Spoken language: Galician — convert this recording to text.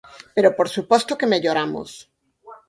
Pero por suposto que melloramos.